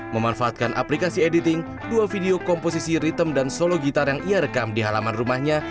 memanfaatkan aplikasi editing dua video komposisi ritem dan solo gitar yang ia rekam di halaman rumahnya